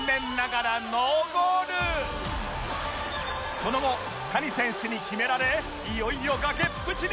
その後谷選手に決められいよいよ崖っぷちに！